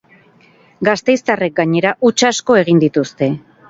Gasteiztarrek, gainera, huts asko egin dituzte.